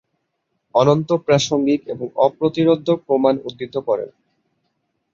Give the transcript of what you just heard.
অনন্ত প্রাসঙ্গিক এবং অপ্রতিরোধ্য প্রমাণ উদ্ধৃত করেন।